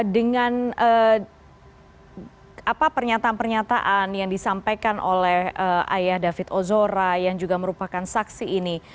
dengan pernyataan pernyataan yang disampaikan oleh ayah david ozora yang juga merupakan saksi ini